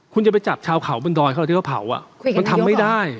คุณจะไปจับชาวเขาบนดอยเขาที่เขาเผามันทำไม่ได้